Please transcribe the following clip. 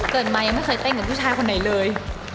เกิดมายังไม่เคยเต้นกับผู้ชายคนไหนเลย